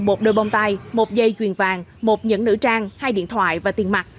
một đôi bông tai một dây chuyền vàng một nhẫn nữ trang hai điện thoại và tiền mặt